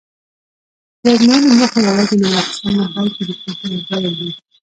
د ازموینو موخه یوازې نومره اخیستل نه بلکې د پوهې ارزول دي.